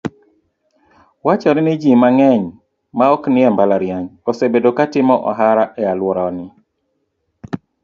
Wachore ni ji mang'eny ma oknie mbalariany, osebedo katimo ohala ealworani.